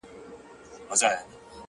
که غچيدله زنده گي په هغه ورځ درځم،